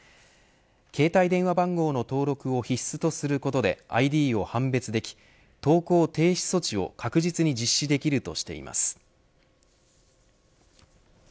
携帯電話番号の登録を必須とすることでＩＤを判別でき投稿停止措置を確実に実施できるとしています。